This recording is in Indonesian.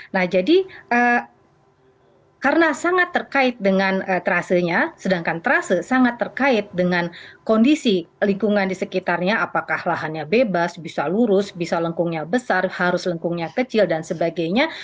nah jadi karena sangat terkait dengan terasenya sedangkan terase sangat terkait dengan kondisi lingkungan di sekitarnya apakah lahannya bebas bisa lurus bisa lengkungnya besar harus lengkungnya kecil dan sebagainya